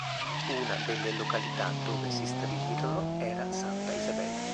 Una delle località dove si stabilirono era Santa Isabel.